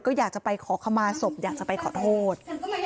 ก็อยากจะไปขอขมาศพอยากจะไปขอโทษ